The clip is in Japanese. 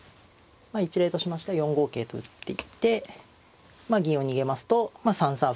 まあ一例としましては４五桂と打っていって銀を逃げますと３三歩のような感じで。